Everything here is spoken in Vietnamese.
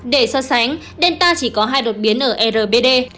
để so sánh delta chỉ có hai đột biến ở rbd